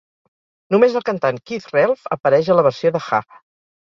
Només el cantant Keith Relf apareix a la versió de Ha!